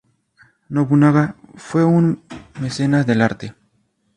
Nobunaga fue un mecenas del arte.